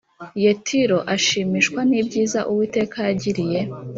Yetiro ashimishwa n ibyiza uwiteka yagiriye